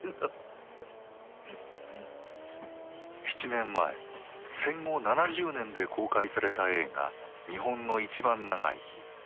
７年前戦後７０年で公開された映画「日本のいちばん長い日」。